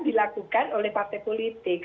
dilakukan oleh partai politik